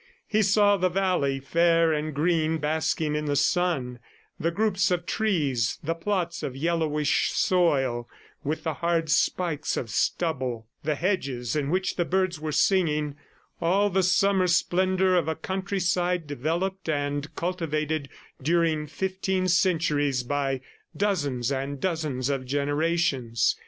He saw the valley, fair and green, basking in the sun; the groups of trees, the plots of yellowish soil with the hard spikes of stubble; the hedges in which the birds were singing all the summer splendor of a countryside developed and cultivated during fifteen centuries by dozens and dozens of generations.